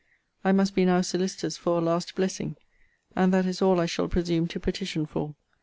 I must be now solicitous for a last blessing; and that is all I shall presume to petition for.